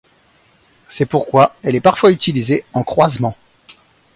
C’est pourquoi elle est parfois utilisée en croisement.